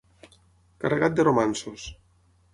Carregat de romanços.